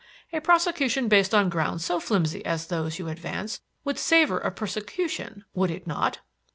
A prosecution based on grounds so flimsy as those you advance would savour of persecution, would it not?"